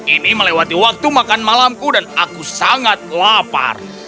ini melewati waktu makan malamku dan aku sangat lapar